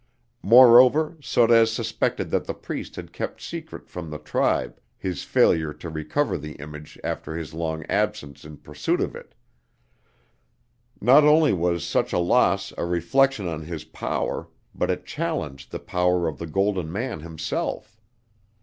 Moreover, Sorez suspected that the Priest had kept secret from the tribe his failure to recover the image after his long absence in pursuit of it. Not only was such a loss a reflection on his power, but it challenged the power of the Golden Man himself.